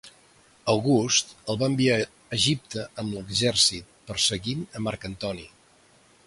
August el va enviar a Egipte amb l'exèrcit, perseguint a Marc Antoni.